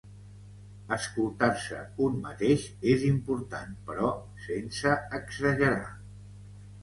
Escoltar-se un mateix és important, però sense exagerar.